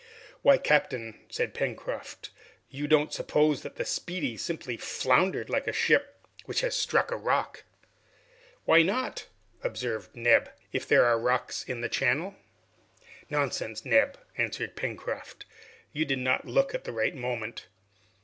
"Why, captain," said Pencroft, "you don't suppose that the 'Speedy' simply foundered like a ship which has struck on a rock?" "Why not," observed Neb, "if there are rocks in the channel?" "Nonsense, Neb," answered Pencroft, "you did not look at the right moment.